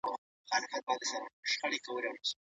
هغه په خپلو شعرونو کي د مینې پیغامونه ورکړي دي.